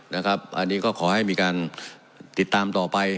นะครับอันนี้ก็ขอให้มีการติดตามต่อไป